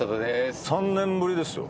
３年ぶりですよ。